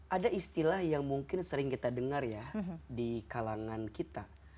ada istilah yang mungkin sering kita dengar ya di kalangan kita